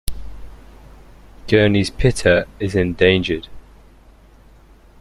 Gurney's pitta is endangered.